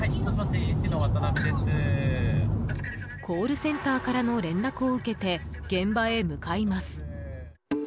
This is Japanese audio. コールセンターからの連絡を受けて現場へ向かいます。